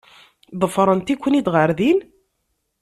Ḍefrent-iken-id ɣer din.